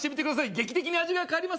劇的に味が変わります